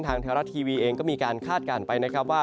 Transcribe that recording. ไทยรัฐทีวีเองก็มีการคาดการณ์ไปนะครับว่า